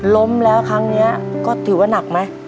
ล้มแล้วครั้งนี้ก็ถือว่าหนักไหม